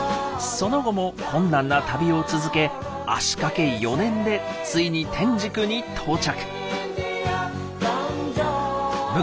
その後も困難な旅を続け足かけ４年でついに天竺に到着。